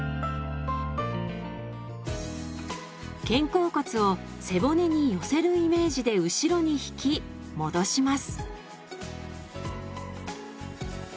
肩甲骨を背骨に寄せるイメージで後ろに引き戻します。